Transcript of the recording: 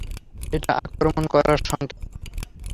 এটা আক্রমণ করার সংকেত।